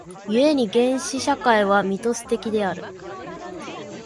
故に原始社会はミトス的である。